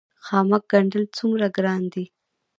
خامک ګنډل څومره ګران دي؟